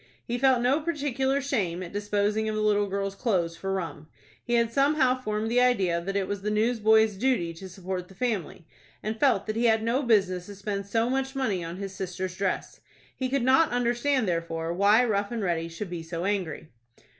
He felt no particular shame at disposing of the little girl's clothes for rum. He had somehow formed the idea that it was the newsboy's duty to support the family, and felt that he had no business to spend so much money on his sister's dress. He could not understand, therefore, why Rough and Ready should be so angry.